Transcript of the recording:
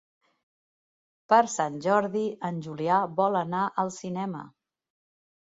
Per Sant Jordi en Julià vol anar al cinema.